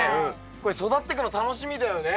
これ育ってくの楽しみだよね。